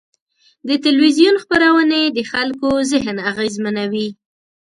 د تلویزیون خپرونې د خلکو ذهن اغېزمنوي.